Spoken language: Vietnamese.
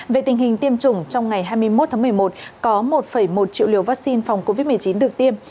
về tình hình tiêm chủng trong ngày hai mươi một tháng một mươi một có một một triệu liều vaccine phòng covid một mươi chín được tiêm